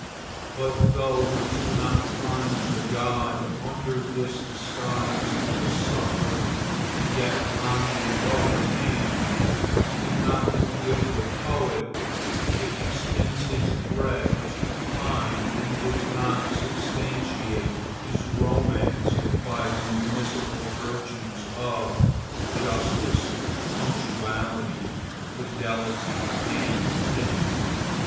But though we cannot find the god under this disguise of a sutler, yet on the other hand we cannot forgive the poet if he spins his thread too fine and does not substantiate his romance by the municipal virtues of justice, punctuality, fidelity and pity.